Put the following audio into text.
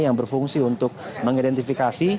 yang berfungsi untuk mengidentifikasi